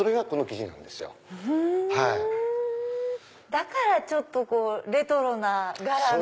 だからちょっとレトロな柄の。